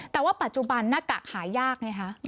แต่ว่าปัจจุบันหน้ากากหายากไงคะ